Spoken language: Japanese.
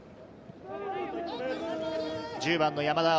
１０番の山田蒼。